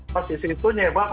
posisi itu nyebab